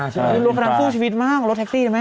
โรงพยาบาลภูมิชีวิตมากรถแท็กซี่นะแม่